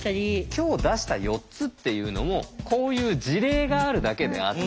今日出した４つっていうのもこういう事例があるだけであって。